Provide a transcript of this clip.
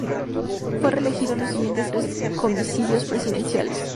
Fue reelegido en los siguientes tres comicios presidenciales.